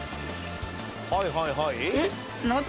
「はいはいはい」？